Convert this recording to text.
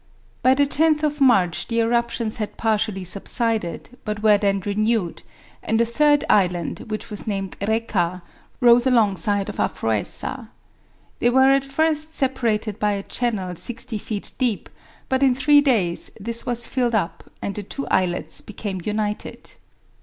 By the 10th of March the eruptions had partially subsided, but were then renewed, and a third island, which was named Reka, rose alongside of Aphroessa. They were at first separated by a channel sixty feet deep; but in three days this was filled up, and the two islets became united.